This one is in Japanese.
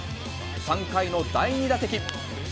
３回の第２打席。